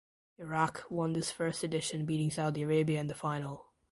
Iraq won this first edition beating Saudi Arabia in the final.